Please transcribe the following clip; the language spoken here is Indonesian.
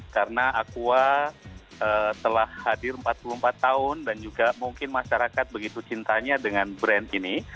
karena aqua telah hadir empat puluh empat tahun dan juga mungkin masyarakat begitu cintanya dengan brand ini